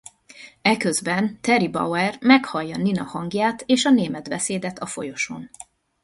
Eközben Teri Bauer meghallja Nina hangját és a német beszédet a folyosón.